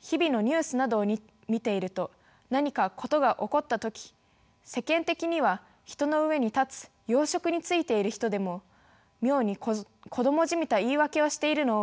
日々のニュースなどを見ていると何か事が起こった時世間的には人の上に立つ要職に就いている人でも妙に子供じみた言い訳をしているのを目にします。